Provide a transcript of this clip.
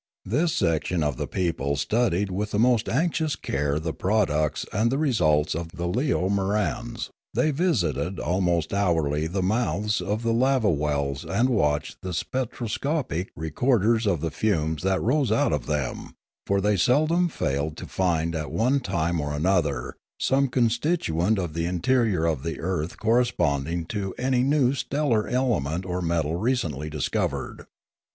This section of the people studied with the most anxious care the pro ducts and the results of the leomorans; they visited almost hourly the mouths of the lava wells and watched the spectroscopic recorders of the fumes that rose out of them; for they seldom failed to find at one time or another some constituent of the interior of the earth cor responding to any new stellar element or metal recently discovered.